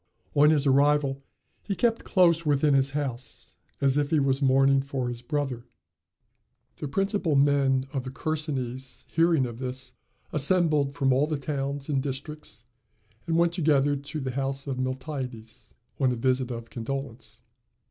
On his arrival he kept close within his house, as if he was mourning for his brother. The principal men of the Chersonese, hearing of this, assembled from all the towns and districts, and went together to the house of Miltiades, on a visit of condolence.